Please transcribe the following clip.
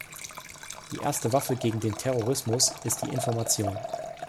Die erste Waffe gegen den Terrorismus ist die Information.